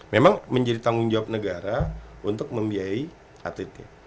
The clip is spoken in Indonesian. memang menjadi tanggung jawab negara untuk membiayai atletnya